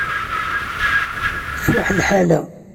Tfuḥ lḥala.